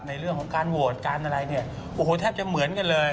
ในเรื่องของการโหวตการอะไรเนี่ยโอ้โหแทบจะเหมือนกันเลย